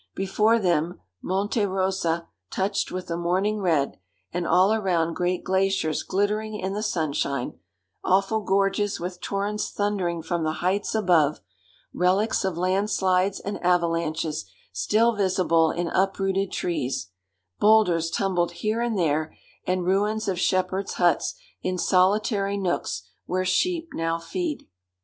Before them Monte Rosa, touched with the morning red, and all around great glaciers glittering in the sunshine, awful gorges with torrents thundering from the heights above, relics of land slides and avalanches still visible in uprooted trees, boulders tumbled here and there, and ruins of shepherds' huts in solitary nooks where sheep now feed.